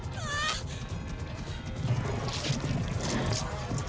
kau di sanduny dengan irs